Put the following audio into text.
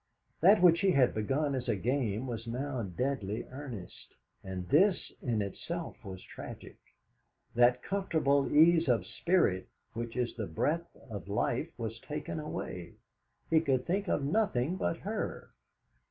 That which he had begun as a game was now deadly earnest. And this in itself was tragic. That comfortable ease of spirit which is the breath of life was taken away; he could think of nothing but her.